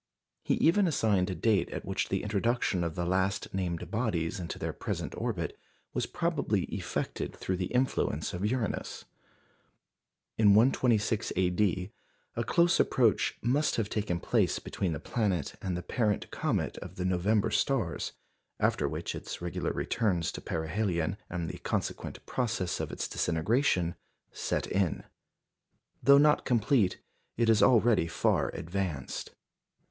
He even assigned a date at which the introduction of the last named bodies into their present orbit was probably effected through the influence of Uranus. In 126 A.D. a close approach must have taken place between the planet and the parent comet of the November stars, after which its regular returns to perihelion, and the consequent process of its disintegration, set in. Though not complete, it is already far advanced.